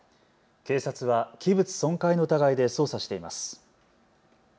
警察は器物損壊の疑いで捜査しています。